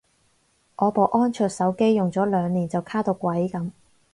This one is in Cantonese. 我部安卓手機用咗兩年就卡到鬼噉